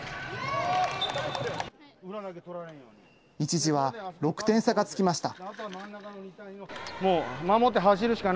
一時は６点差がつきました。